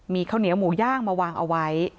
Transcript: มีข้าวเหนียวหมูย่างมาวางเอาไว้